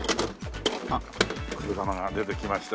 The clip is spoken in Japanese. あっ黒玉が出てきました。